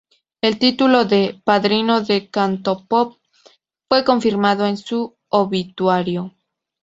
El título de "Padrino del Cantopop" fue confirmado en su obituario.